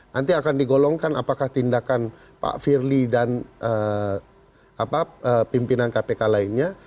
nanti akan digolongkan apakah tindakan pak firly dan pimpinan kpk lainnya